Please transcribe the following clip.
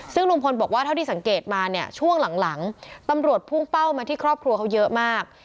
ซึ่งลุงพลบอกว่าเท่าที่สังเกตมาเนี่ยช่วงหลังตำรวจพุ่งเป้ามาที่ครอบครัวเขาเยอะมาก